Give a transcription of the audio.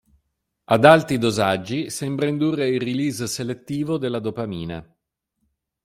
Ad alti dosaggi sembra indurre il release selettivo della dopamina.